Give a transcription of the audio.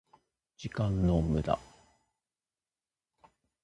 時間の無駄